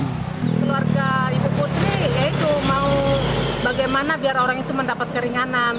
keluarga ibu putri ya itu mau bagaimana biar orang itu mendapat keringanan